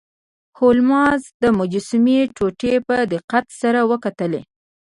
هولمز د مجسمې ټوټې په دقت سره وکتلې.